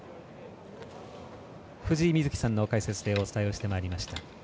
藤井瑞希さんの解説でお伝えしてまいりました。